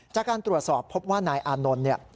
จากการตรวจสอบพบว่านายอนนน